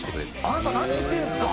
あなた何言ってるんですか！